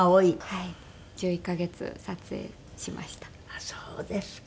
あっそうですか。